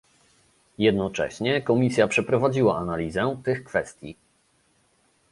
Jednocześnie Komisja przeprowadziła analizę tych kwestii